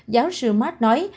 giáo sư mark nói